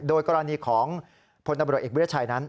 โดยกรณีของพลตำรวจเอกวิทยาชัยนั้น